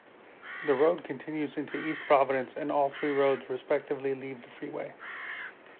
The road continues into East Providence and all three roads respectively leave the freeway.